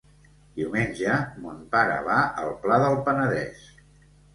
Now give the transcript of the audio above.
Diumenge mon pare va al Pla del Penedès.